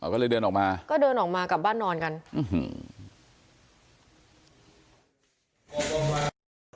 ก็เลยเดินออกมาก็เดินออกมากลับบ้านนอนกันอื้อหือออกมา